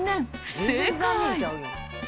不正解。